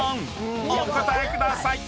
お答えください］